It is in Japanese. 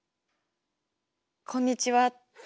「こんにちは」！